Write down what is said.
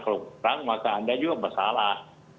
kalau perang maka anda juga masalah